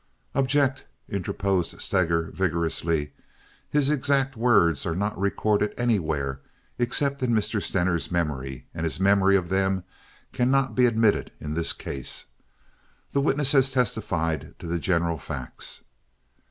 "Object!" interposed Steger, vigorously. "His exact words are not recorded anywhere except in Mr. Stener's memory, and his memory of them cannot be admitted in this case. The witness has testified to the general facts."